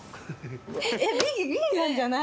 えっＢなんじゃない？